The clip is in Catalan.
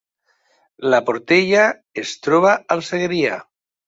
La Portella es troba al Segrià